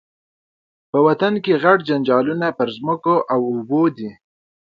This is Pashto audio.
په وطن کي غټ جنجالونه پر مځکو او اوبو دي